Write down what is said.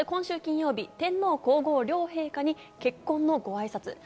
今週金曜日、天皇皇后両陛下に結婚のごあいさつです。